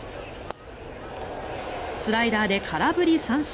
スライダーで空振り三振。